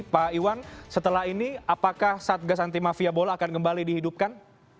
pak iwan setelah ini apakah satgas anti mafia bola akan kembali dihidupkan